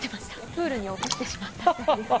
プールに落としちゃいました。